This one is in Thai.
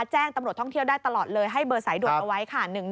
แจ้งตำรวจท่องเที่ยวได้ตลอดเลยให้เบอร์สายด่วนเอาไว้ค่ะ